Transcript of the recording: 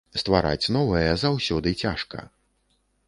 Ствараць новае заўсёды цяжка.